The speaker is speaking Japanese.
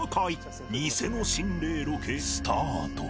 ニセの心霊ロケスタート